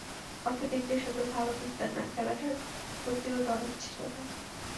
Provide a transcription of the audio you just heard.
অর্থের দিকটাই শুধু ভালো বুঝতেন না, খেলাটার প্রতিও দরদ ছিল তাঁর।